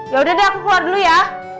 yaudah deh aku keluar dulu ya